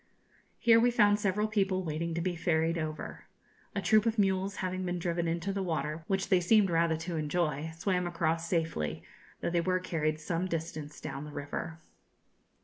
Here we found several people waiting to be ferried over. A troop of mules having been driven into the water, which they seemed rather to enjoy, swam across safely, though they were carried some distance down the river.